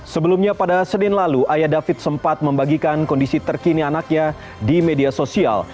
sebelumnya pada senin lalu ayah david sempat membagikan kondisi terkini anaknya di media sosial